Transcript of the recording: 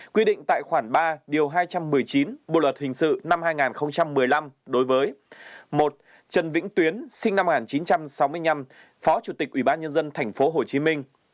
quy định tại khoản ba điều hai trăm một mươi chín bộ luật hình sự năm hai nghìn một mươi năm đối với một trần vĩnh tuyến sinh năm một nghìn chín trăm sáu mươi năm phó chủ tịch ubnd tp hcm